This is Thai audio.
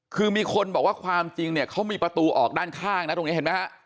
คือมีคนบอกว่าความจริงเนี่ยเขามีประตูออกด้านข้างนะตรงนี้เห็นไหมฮะ